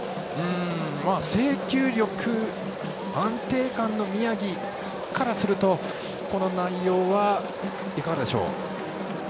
制球力、安定感の宮城からするとこの内容はいかがでしょう。